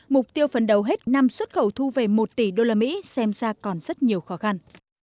mục tiêu phần đầu hết năm xuất khẩu thu về một tỷ usd xem ra còn rất nhiều khó khăn